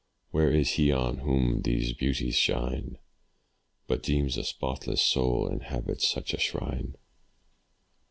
where is he on whom these beauties shine, But deems a spotless soul inhabits such a shrine?